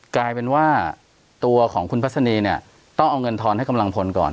กลายเป็นว่าตัวของคุณพัศนีเนี่ยต้องเอาเงินทอนให้กำลังพลก่อน